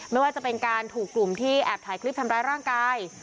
ไม่ว่าจะเป็นการถูกกลุ่มที่แอบถ่ายคลิปทำร้ายร่างกาย